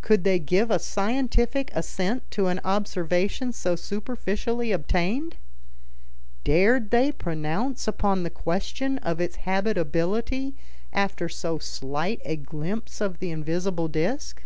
Could they give a scientific assent to an observation so superficially obtained? Dared they pronounce upon the question of its habitability after so slight a glimpse of the invisible disc?